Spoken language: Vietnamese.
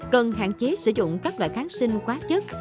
cần hạn chế sử dụng các loại kháng sinh quá chất